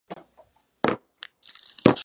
Fue educado entre los Estados Unidos y Sídney.